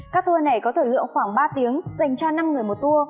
các tour này có thời lượng khoảng ba tiếng dành cho năm người một tour